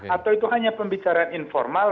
atau itu hanya pembicaraan informal